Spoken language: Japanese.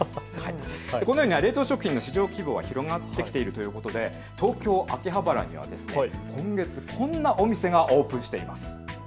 このように冷凍食品の市場規模は広がってきているということで東京秋葉原には今月、こんなお店がオープンしています。